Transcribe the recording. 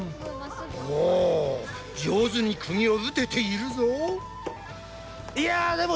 お上手にクギを打てているぞ。